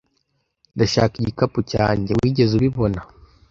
Ndashaka igikapu cyanjye. Wigeze ubibona?